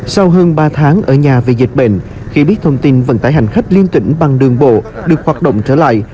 sau hơn ba tháng ở nhà vì dịch bệnh khi biết thông tin vận tải hành khách liên tỉnh bằng đường bộ được hoạt động trở lại